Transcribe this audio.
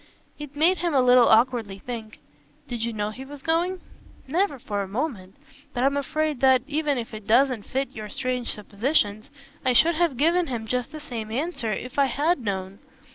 It made him a little awkwardly think. "Did you know he was going?" "Never for a moment; but I'm afraid that even if it doesn't fit your strange suppositions I should have given him just the same answer if I had known.